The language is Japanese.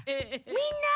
みんな！